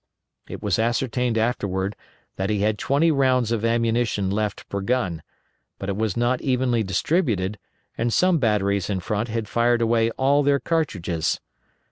It was ascertained afterward that he had twenty rounds of ammunition left per gun, but it was not evenly distributed and some batteries in front had fired away all their cartridges.